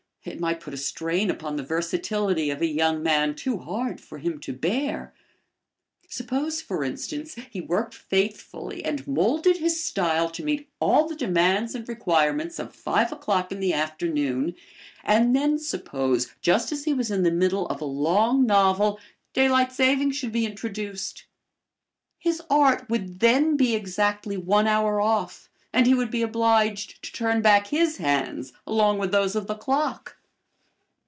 It might put a strain upon the versatility of a young man too hard for him to bear. Suppose, for instance, he worked faithfully and molded his style to meet all the demands and requirements of five o'clock in the afternoon, and then suppose just as he was in the middle of a long novel, daylight saving should be introduced? His art would then be exactly one hour off and he would be obliged to turn back his hands along with those of the clock.